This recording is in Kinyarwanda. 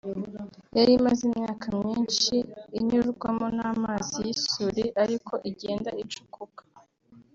yari imaze imyaka myinshi inyurwamo n’amazi y’isuri ari ko igenda icukuka